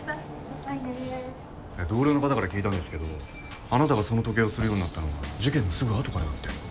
同僚の方から聞いたんですけどあなたがその時計をするようになったのは事件のすぐあとからだって。